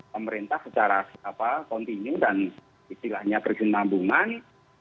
pemerintah secara kontinu dan istilahnya berkenambungan